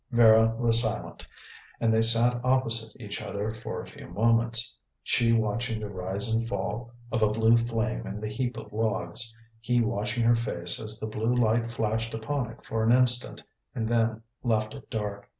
Vera was silent and they sat opposite each other for a few moments, she watching the rise and fall of a blue flame in the heap of logs, he watching her face as the blue light flashed upon it for an instant and then left it dark.